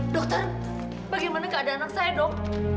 dokter bagaimana keadaan anak saya dok